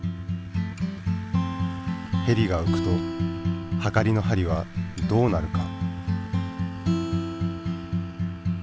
ヘリがうくとはかりの針はどうなるか？